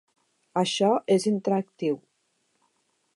Això és interactiu.